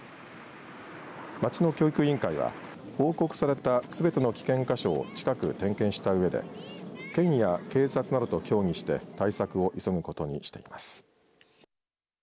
町の教育委員会は報告されたすべての危険箇所を近く点検したうえで県や警察などと協議して対策を急ぐことにしています。